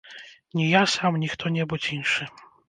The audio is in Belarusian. Ні я сам, ні хто-небудзь іншы.